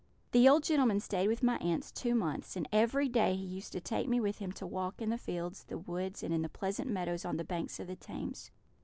"The old gentleman stayed with my aunts two months, and every day he used to take me with him to walk in the fields, the woods, and in the pleasant meadows on the banks of the Thames.